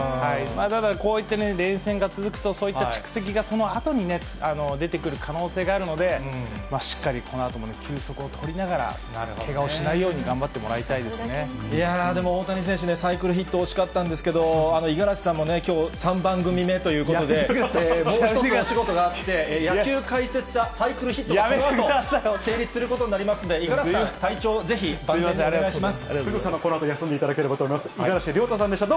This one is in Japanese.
ただ、こう言って連戦が続くと、そういった蓄積がそのあとに出てくる可能性があるので、しっかりこのあとも休息を取りながら、けがをしないように頑張ってもらでも大谷選手、サイクルヒット、惜しかったんですけど、五十嵐さんもきょう、３番組目ということで、もう１つお仕事があって、野球解説者サイクルヒットもこのあと成立することになりますんで、五十嵐さん、ありがとうございます。